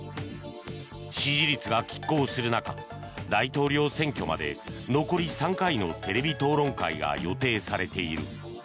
支持率がきっ抗する中大統領選挙まで残り３回のテレビ討論会が予定されている。